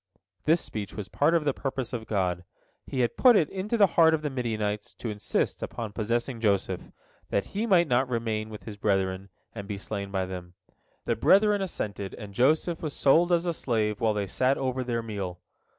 This speech was part of the purpose of God. He had put it into the heart of the Midianites to insist upon possessing Joseph, that he might not remain with his brethren, and be slain by them. The brethren assented, and Joseph was sold as a slave while they sat over their meal.